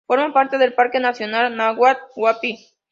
Forma parte del Parque Nacional Nahuel Huapi.